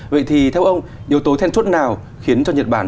vậy thì theo ông yếu tố thêm chút nào khiến cho nhật bản